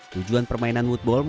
tujuan permainan woodball